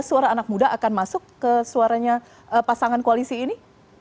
suara anak muda akan masuk ke suaranya pasangan koalisi ini